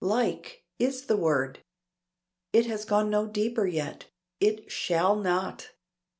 "Like" is the word. It has gone no deeper yet. It shall not.